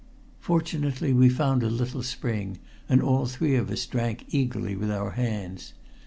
Fortunately we found a little spring, and all three of us drank eagerly with our hands.